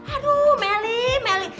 aduh meli meli